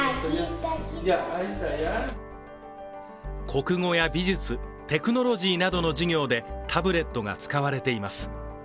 国語や美術、テクノロジーなどの授業でタブレットが使われています。